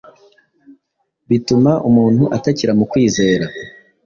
bituma umuntu atakira mu kwizera